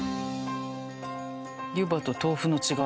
湯葉と豆腐の違い。